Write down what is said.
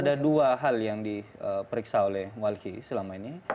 ada dua hal yang diperiksa oleh walki selama ini